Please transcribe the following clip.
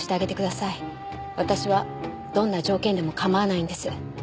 私はどんな条件でも構わないんです。